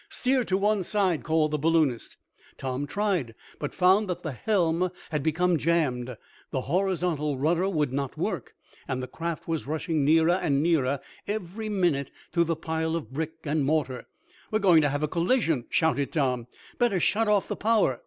"Steer to one side!" called the balloonist. Tom tried, but found that the helm had become jammed. The horizontal rudder would not work, and the craft was rushing nearer and nearer, every minute, to the pile of brick and mortar. "We're going to have a collision!" shouted Tom. "Better shut off the power!"